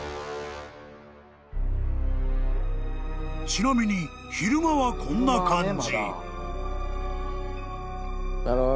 ［ちなみに昼間はこんな感じ］